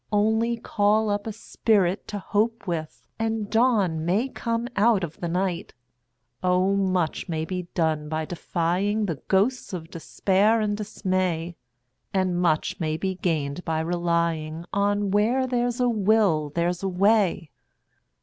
Only call up a spirit to hope with, And dawn may come out of the night. Oh! much may be done by defying The ghosts of Despair and Dismay; And much may be gained by relying On "Where there's a will there's a way."